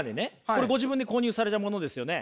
これご自分で購入されたものですよね？